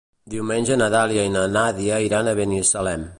Diumenge na Dàlia i na Nàdia iran a Binissalem.